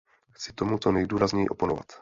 Chci tomu co nejdůrazněji oponovat.